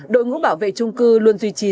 đội ngữ bảo vệ trung cư luôn duy trì